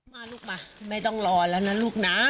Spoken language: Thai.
มาลูกมาไม่ต้องรอแล้วนะลูกนะ